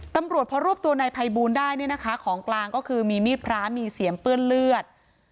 ตำรวจพอรวบตัวนายภัยบูลได้เนี่ยนะคะของกลางก็คือมีมีดพระมีเสียมเปื้อนเลือด